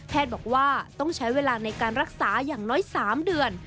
บอกว่าต้องใช้เวลาในการรักษาอย่างน้อย๓เดือน